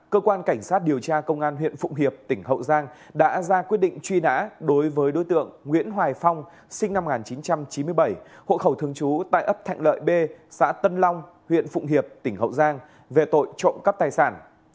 cơ quan cảnh sát điều tra công an huyện phụng hiệp tỉnh hậu giang đã ra quyết định truy nã đối với đối tượng nguyễn hoài phong sinh năm một nghìn chín trăm chín mươi bảy hộ khẩu thường trú tại ấp thạnh lợi b xã tân long huyện phụng hiệp tỉnh hậu giang về tội trộm cắp tài sản